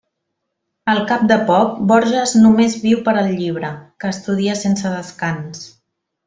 Al cap de poc, Borges només viu per al llibre, que estudia sense descans.